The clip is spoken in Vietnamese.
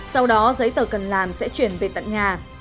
sau đó giấy tờ cần làm sẽ chuyển về tận nhà